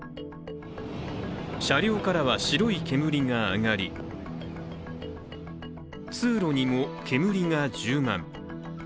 車両からは白い煙が上がり、通路にも煙が充満。